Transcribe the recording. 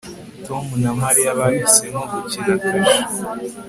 Tom na Mariya bahisemo gukina kashe